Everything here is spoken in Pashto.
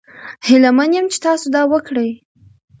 هیله من یم چې تاسو دا وکړي.